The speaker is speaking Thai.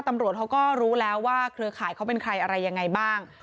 ตำรวจเขาก็รู้แล้วว่าเครือข่ายเขาเป็นใครอะไรยังไงบ้าง